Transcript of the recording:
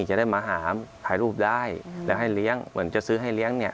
จะได้มาหาถ่ายรูปได้แล้วให้เลี้ยงเหมือนจะซื้อให้เลี้ยงเนี่ย